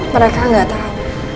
mereka gak tau